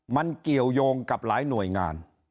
มันเกี่ยวยงกับหลายหน่วยงาน